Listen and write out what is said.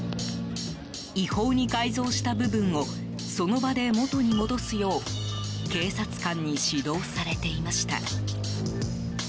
違法に改造した部分をその場で元に戻すよう警察官に指導されていました。